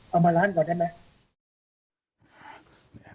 เอามาล้านกว่าได้ไหม